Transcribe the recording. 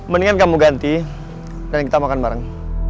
mendingan kamu ganti dan kita makan bareng